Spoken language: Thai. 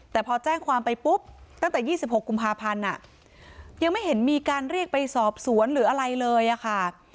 แต่พอแจ้งความไปปุ๊บตั้งแต่๒๖กุมภาพันธ์ยังไม่เห็นมีการเรียกไปสอบสวนหรืออะไรเลยค่ะ